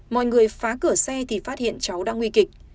mọi người phá cửa xe thì phát hiện cháu đang nguy kịch